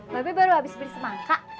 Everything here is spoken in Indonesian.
mbak be baru habis beli semangka